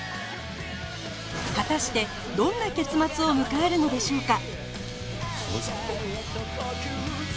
果たしてどんな結末を迎えるのでしょうか？